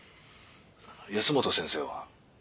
保本先生は？